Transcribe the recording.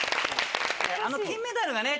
あの金メダルがね